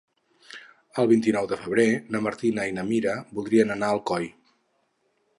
El vint-i-nou de febrer na Martina i na Mira voldrien anar a Alcoi.